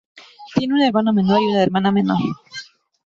Tiene un hermano menor y una hermana menor.